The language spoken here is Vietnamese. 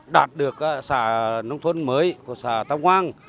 đạt được xã nông thôn mới của xã tam quang